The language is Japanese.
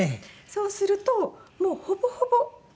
そうするともうほぼほぼ。